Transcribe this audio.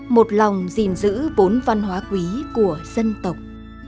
một lòng gìn giữ bốn văn hóa quý của dân tộc